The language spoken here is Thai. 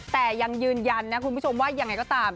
แต่ยังยืนยันนะคุณผู้ชมว่ายังไงก็ตาม